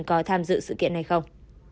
có tham dự sự kiện này không